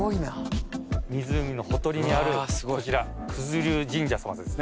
湖のほとりにあるこちら九頭龍神社さまですね。